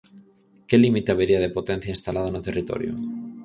Que límite habería de potencia instalada no territorio?